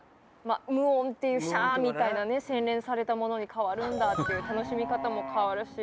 無音っていうシャみたいなね洗練されたものに変わるんだっていう楽しみ方も変わるし。